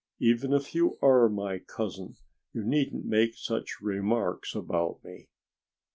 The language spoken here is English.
"Even if you are my cousin you needn't make such remarks about me."